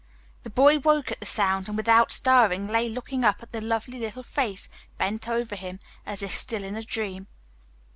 The boy woke at the sound, and without stirring lay looking up at the lovely little face bent over him, as if still in a dream.